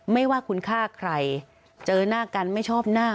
ไม่ว่าคุณฆ่าใครเจอหน้ากันไม่ชอบหน้า